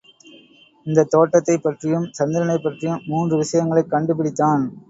இந்தத் தோட்டத்தைப் பற்றியும் சந்திரனைப்பற்றியும் மூன்று விஷயங்களைக் கண்டு பிடித்தான்.